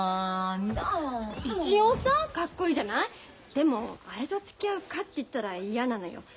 でもあれとつきあうかって言ったら嫌なのよ。